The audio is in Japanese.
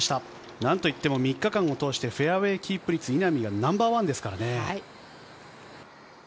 何といっても３日間を通してフェアウエーキープ率、稲見はナンバーワンですからね。